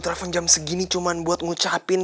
telepon jam segini cuman buat ngucapin